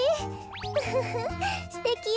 ウフフすてきよ。